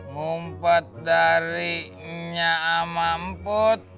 mumpet dari nyamamput